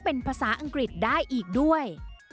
เป็นภาษาอังกฤษได้อีกด้วย